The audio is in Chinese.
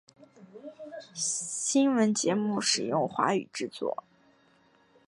新闻节目使用华语制作。